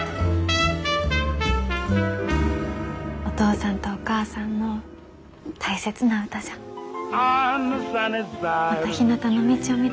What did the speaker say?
お父さんとお母さんの大切な歌じゃ。